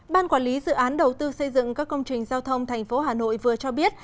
ban quản lý dự án đầu tư xây dựng các công trình giao thông thành phố hà nội vừa cho biết